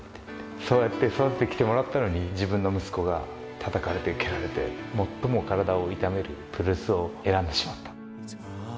そうやって育てて来てもらったのに自分の息子がたたかれて蹴られて最も体を痛めるプロレスを選んでしまった。